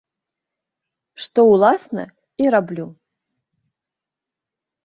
Што, уласна, і раблю.